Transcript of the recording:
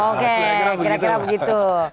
oke kira kira begitu